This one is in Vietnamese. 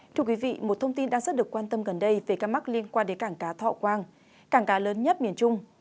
thưa quý vị một thông tin đang rất được quan tâm gần đây về ca mắc liên quan đến cảng cá thọ quang cảng cá lớn nhất miền trung